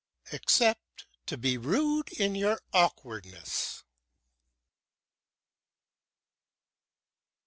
"Except to be rude in your awkwardness."